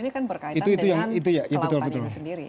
karena ini kan berkaitan dengan kelautan itu sendiri